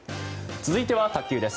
続いては、卓球です。